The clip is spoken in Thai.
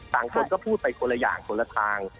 แต่จริงคนก็พูดไปคนละอย่างคนละทาง